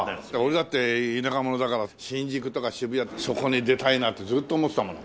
俺だって田舎者だから新宿とか渋谷とかそこに出たいなってずっと思ってたもの。